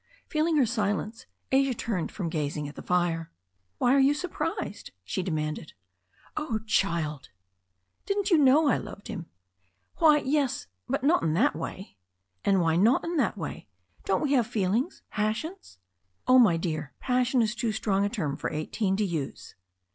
Feeling her silence, Asia turned from gazing at the fire. "Why are you surprised?" she demanded. "Oh, child !" "Didn't you know I loved him?" "Why, yes, but not in that way." "And why not in that way? Don't we all have feelings — passions ?" "Oh, my dear, passion is too strong a term for eighteen to use."